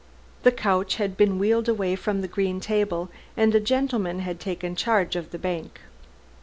The couch had been wheeled away from the green table, and a gentleman had taken charge of the bank.